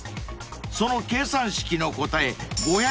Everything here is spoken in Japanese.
［その計算式の答え